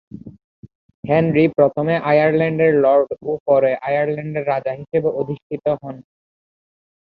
Henry প্রথমে আয়ারল্যান্ডের lord ও পরে আয়ারল্যান্ডের রাজা হিসেবে অধিষ্ঠিত হন।